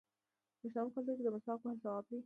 د پښتنو په کلتور کې د مسواک وهل ثواب دی.